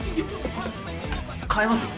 変えますよ